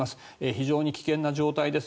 非常に危険な状態です。